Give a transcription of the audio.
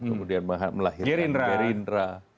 kemudian melahirkan gerindra